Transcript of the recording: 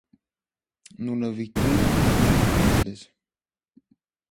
Но и на вика й никой не излезе.